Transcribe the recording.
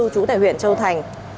chú tại huyện châu thành